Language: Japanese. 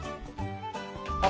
あっ